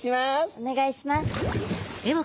お願いします。